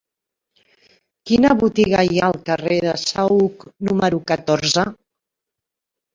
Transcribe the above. Quina botiga hi ha al carrer del Saüc número catorze?